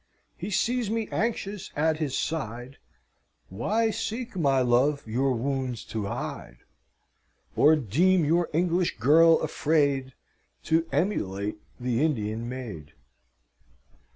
He sees me anxious at his side; 'Why seek, my love, your wounds to hide? Or deem your English girl afraid To emulate the Indian maid?'